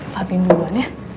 patin duluan ya